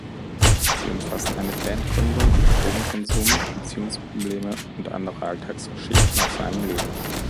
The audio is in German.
Sie umfassen eine Bandgründung, Drogenkonsum, Beziehungsprobleme und andere Alltagsgeschichten aus seinem Leben.